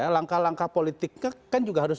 langkah langkah politiknya kan juga harus